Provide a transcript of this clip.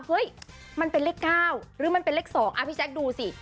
เฮ้ยมันเป็นเลข๙หรือมันเป็นเลข๒พี่แจ๊คดูสิ